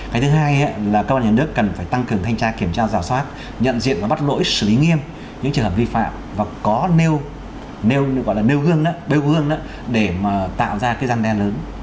cái thứ hai là các nhà nước cần phải tăng cường thanh tra kiểm tra rào soát nhận diện và bắt lỗi xử lý nghiêm những trường hợp vi phạm và có nêu gương để mà tạo ra cái gian đen lớn